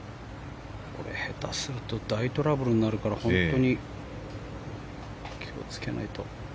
下手すると大トラブルになるから本当に気を付けないと。